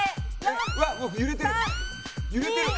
うわっ揺れてる！